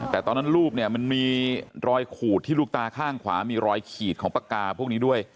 แต่ตอนนั้นรูปเนี่ยมันมีรอยขูดที่ลูกตาข้างขวามีรอยขีดของปากกาพวกนี้ด้วย